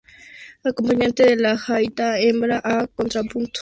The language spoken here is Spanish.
Acompañante de la gaita hembra, a contrapunto.